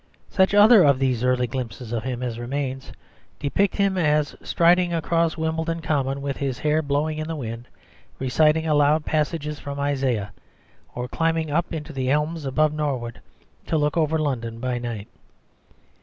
Such other of these early glimpses of him as remain, depict him as striding across Wimbledon Common with his hair blowing in the wind, reciting aloud passages from Isaiah, or climbing up into the elms above Norwood to look over London by night.